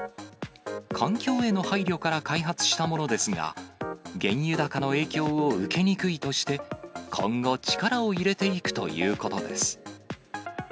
環境への配慮から開発したものですが、原油高の影響を受けにくいとして、今後、力を入れていくということです。